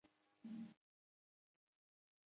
بانکوالان په صنعتي او تجارتي کارخانو کې مقام لري